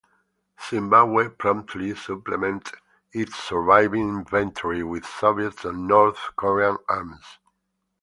Zimbabwe promptly supplemented its surviving inventory with Soviet and North Korean arms.